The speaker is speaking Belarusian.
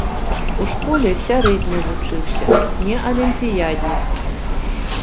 У школе сярэдне вучыўся, не алімпіяднік.